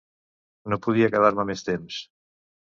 No podia quedar-me més temps.